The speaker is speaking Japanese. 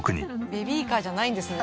ベビーカーじゃないんですね。